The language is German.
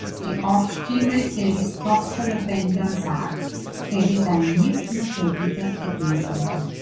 Die Off-Stimme, Terrys Tochter Lavender, sagt, Terry sei nicht immer verbittert gewesen.